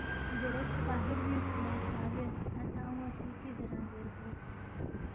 دیرے کھو باہر بیُونگسے نہ سنا بیاس اتا ان٘و سی چِہ زیرانگ زیربو